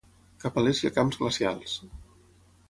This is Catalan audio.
Cap a l'est hi ha camps glacials.